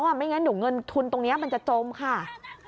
ไม่อย่างไรหนูเงินทุนตรงนี้มันจะจมค่ะ